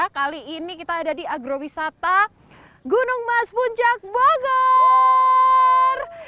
kali ini kita ada di agrowisata gunung mas puncak bogor